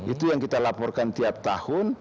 itu yang kita laporkan tiap tahun